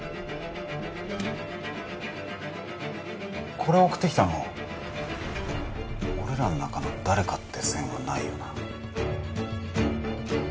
これ送ってきたの俺らの中の誰かって線はないよな？